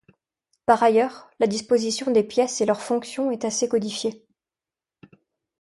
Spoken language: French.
Par ailleurs, la disposition des pièces et leur fonction est assez codifiée.